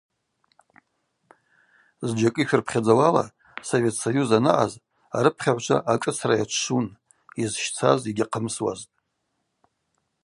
Зджьакӏы йшырпхьадзауала, Совет Союз анаъаз арыпхьагӏвчва ашӏыцра йачвшвун, йызщцаз йгьахъымсуазтӏ.